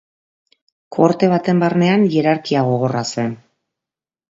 Kohorte baten barnean, hierarkia gogorra zen.